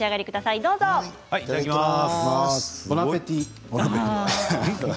いただきます。